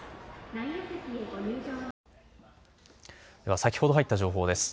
先ほど入った情報です。